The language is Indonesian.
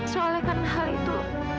soalnya karena hal itu